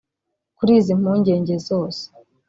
Kuri izi mpungenge zose